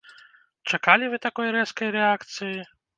Чакалі вы такой рэзкай рэакцыі?